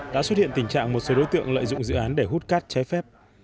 đã xuất hiện tình trạng một số đối tượng lợi dụng dự án để hút cát trái phép